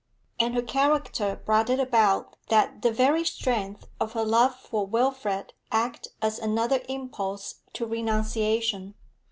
And her character brought it about that the very strength of her love for Wilfrid acted as another impulse to renunciation.